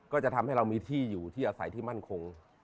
ก็จะทำให้เรามีที่อยู่ที่อาศัยที่มั่นคง